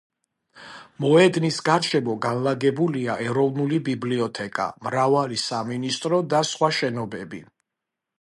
მოედნის გარშემო განლაგებულია ეროვნული ბიბლიოთეკა, მრავალი სამინისტრო და სხვა შენობები.